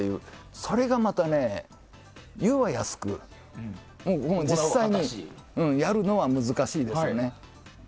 それがまた言うは易くで実際にやるのは難しいですよね。